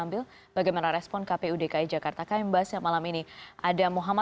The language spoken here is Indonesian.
mas taufik selamat malam